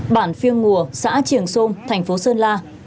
bản phiêng ngùa xã triển sông thành phố sơn la